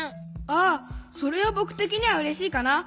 ああそれはぼくてきにはうれしいかな。